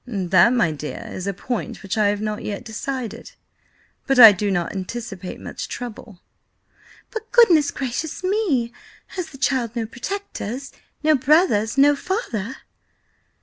"That, my dear, is a point which I have not yet decided. But I do not anticipate much trouble." "But goodness gracious me! has the child no protectors? No brothers? No father?"